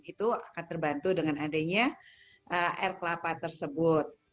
itu akan terbantu dengan adanya air kelapa tersebut